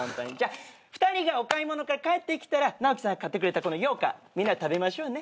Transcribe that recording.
２人がお買い物から帰ってきたら直毅さんが買ってくれたようかんみんなで食べましょうね。